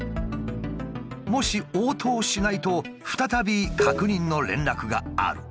もし応答しないと再び確認の連絡がある。